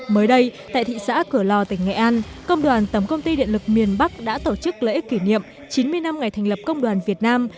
mới đây tại thị xã cửa lò tỉnh nghệ an công đoàn tổng công ty điện lực miền bắc đã tổ chức lễ kỷ niệm chín mươi năm ngày thành lập công đoàn việt nam